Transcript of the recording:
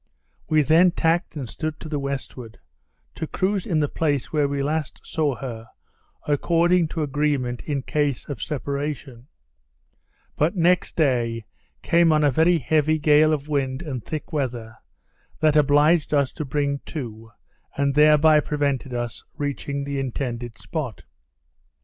We then tacked and stood to the westward, to cruise in the place where we last saw her, according to agreement, in case of separation; but next day came on a very heavy gale of wind and thick weather, that obliged us to bring to, and thereby prevented us reaching the intended spot.